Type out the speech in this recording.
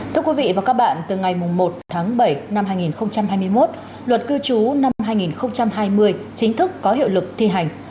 thưa quý vị và các bạn từ ngày một tháng bảy năm hai nghìn hai mươi một luật cư trú năm hai nghìn hai mươi chính thức có hiệu lực thi hành